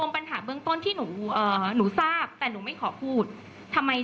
ไปตไปได้